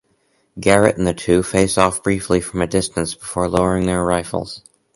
Garrett and the two face off briefly from a distance before lowering their rifles.